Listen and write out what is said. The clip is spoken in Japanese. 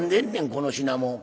この品物。